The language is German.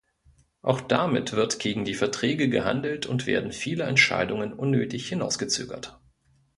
Auch damit wird gegen die Verträge gehandelt und werden viele Entscheidungen unnötig hinausgezögert.